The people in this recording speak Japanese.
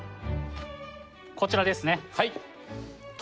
こちらですね